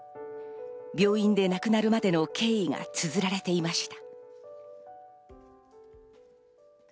病院で亡くなるまでの経緯がつづられていました。